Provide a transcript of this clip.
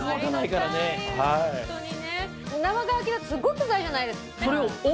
生乾きだとすっごい臭いじゃないですか。